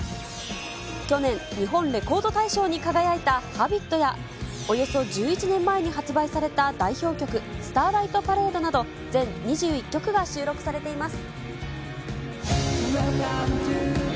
去年、日本レコード大賞に輝いたＨａｂｉｔや、およそ１１年前に発売された代表曲、スターライトパレードなど全２１曲が収録されています。